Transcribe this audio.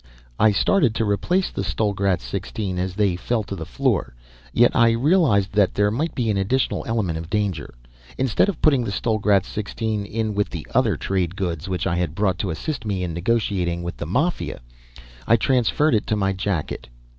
I started to replace the Stollgratz 16 as they fell to the floor, yet I realized that there might be an additional element of danger. Instead of putting the Stollgratz 16 in with the other trade goods, which I had brought to assist me in negotiating with the Mafia, I transferred it to my jacket.